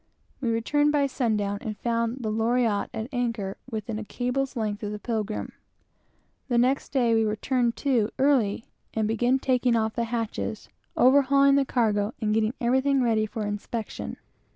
We returned by sun down, and found the Loriotte at anchor, within a cable's length of the Pilgrim. The next day we were "turned to" early, and began taking off the hatches, overhauling the cargo, and getting everything ready for inspection.